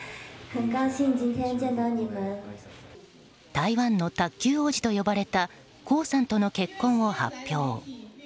台湾の卓球王子と呼ばれた江さんとの結婚を発表。